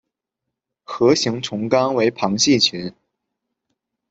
核形虫纲为旁系群。